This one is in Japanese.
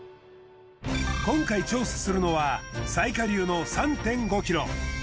今回調査するのは最下流の３．５ｋｍ。